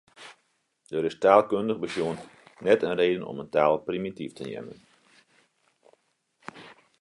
Der is taalkundich besjoen net in reden om in taal primityf te neamen.